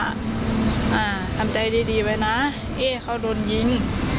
อ่าทำใจดีดีไว้นะเอ๊เขาโดนยิง